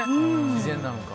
自然なのか。